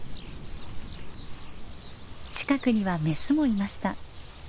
近くにはメスもいました。